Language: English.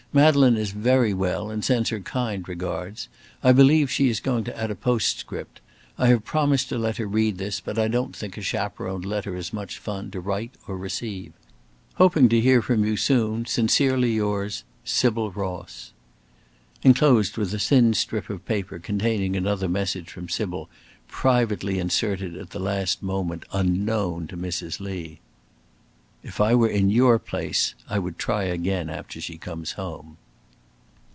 Madeleine is very well, and sends her kind regards. I believe she is going to add a postscript. I have promised to let her read this, but I don't think a chaperoned letter is much fun to write or receive. Hoping to hear from you soon, "Sincerely yours, "Sybil Ross." Enclosed was a thin strip of paper containing another message from Sybil, privately inserted at the last moment unknown to Mrs. Lee "If I were in your place I would try again after she comes home."